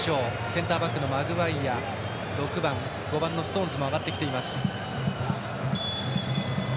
センターバックのマグワイア５番のストーンズも上がってきた。